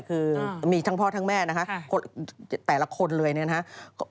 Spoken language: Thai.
คือมีทั้งพ่อทั้งแม่นะคะแต่ละคนเลยเนี่ยนะฮะ